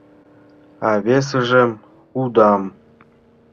А весыжым — удам.